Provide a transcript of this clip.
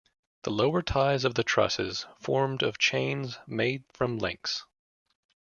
The lower ties of the trusses formed of chains made from links.